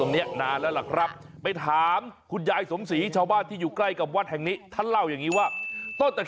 เมฆเลยแล้วกับไม่ถามคุณยายสงฆีเช้าบ้านที่อยู่ใกล้กับบาทแห่งนี้ถ้าเล่าอย่างงี้ว่างว่าเป็นวันใช้มาก